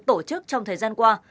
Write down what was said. tổ chức trong thời gian qua